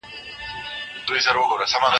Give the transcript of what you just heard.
زه به سبا د يادښتونه يادوم!.